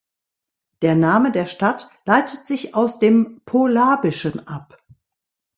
Der Name der Stadt leitet sich aus dem Polabischen ab.